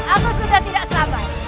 aku sudah tidak sabar